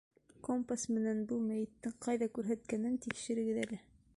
Компас менән был мәйеттең ҡайҙа күрһәткәнен тикшерегеҙ әле.